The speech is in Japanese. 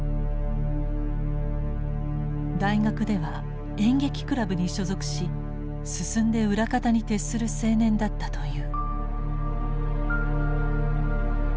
大学では演劇クラブに所属し進んで裏方に徹する青年だったという。